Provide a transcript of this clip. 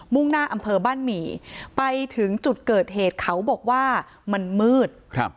่งหน้าอำเภอบ้านหมี่ไปถึงจุดเกิดเหตุเขาบอกว่ามันมืดครับ